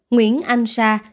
nguyễn anh sang